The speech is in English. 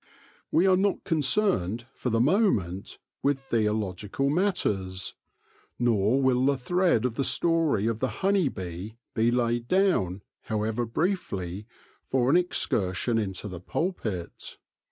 We are not concerned, for the moment, with theo logical matters ; nor will the thread of the story of the honey bee be laid down, however briefly, for an excursion into the pulpit.